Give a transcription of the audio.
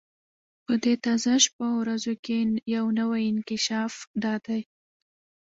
په دې تازه شپو ورځو کې یو نوی انکشاف دا دی.